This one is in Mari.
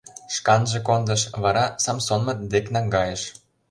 Шканже кондыш, вара Самсонмыт дек наҥгайыш.